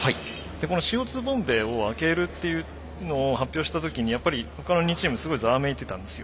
このＣＯ２ボンベを開けるっていうのを発表した時にやっぱり他の２チームすごいざわめいてたんですよ。